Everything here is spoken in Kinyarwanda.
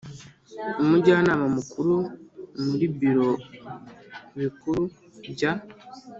Umujyanama mukuru mu biro bikuru bya